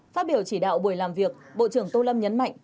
phát biểu chỉ đạo buổi làm việc bộ trưởng tô lâm nhấn mạnh